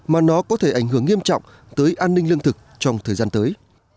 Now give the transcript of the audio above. mà nó có thể ảnh hưởng nghiêm trọng tới an ninh lương thực trong thời gian tới